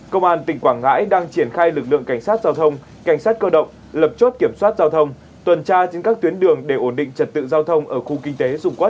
công an tỉnh quảng ngãi đang triển khai lực lượng cảnh sát giao thông cảnh sát cơ động lập chốt kiểm soát giao thông tuần tra trên các tuyến đường để ổn định trật tự giao thông ở khu kinh tế dung quốc